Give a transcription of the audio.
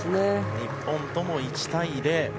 日本とも１対０。